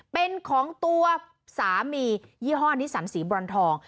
เป็นของตัวสามียี่ห้อนิสันสีบรอนทอง